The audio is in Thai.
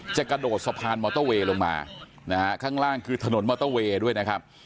จะกระโดดสะพานมอเตอร์เวย์ลงมานะฮะข้างล่างคือถนนมอเตอร์เวย์ด้วยนะครับ